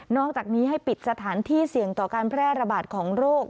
อกจากนี้ให้ปิดสถานที่เสี่ยงต่อการแพร่ระบาดของโรค